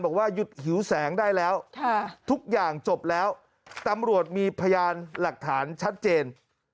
บอกว่าหยุดหิวแสงได้แล้วทุกอย่างจบแล้วตำรวจมีพยานหลักฐานชัดเจน